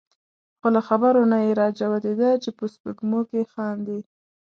خو له خبرو نه یې را جوتېده چې په سپېږمو کې خاندي.